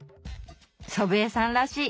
祖父江さんらしい！